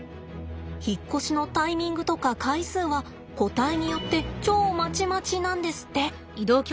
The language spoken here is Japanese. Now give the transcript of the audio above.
引っ越しのタイミングとか回数は個体によって超まちまちなんですって。